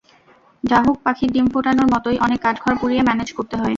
ডাহুক পাখির ডিম ফোটানোর মতোই অনেক কাঠখড় পুড়িয়ে ম্যানেজ করতে হয়।